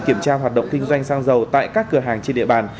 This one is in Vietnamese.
kiểm tra hoạt động kinh doanh xăng dầu tại các cửa hàng trên địa bàn